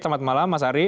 selamat malam mas ari